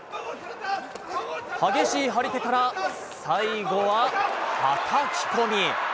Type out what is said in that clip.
激しい張り手から最後は、はたき込み。